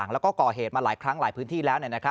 แล้วก็ก่อเหตุมาหลายครั้งหลายพื้นที่แล้ว